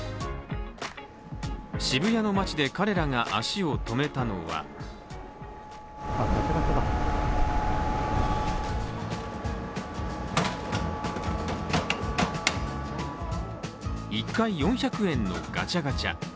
渋谷の街で彼らが足を止めたのは１回４００円のガチャガチャ。